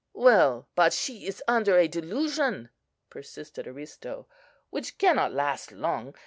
"Well, but she is under a delusion," persisted Aristo, "which cannot last long.